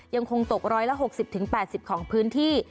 ยังคงตก๑๖๐๘๐ของพื้นที่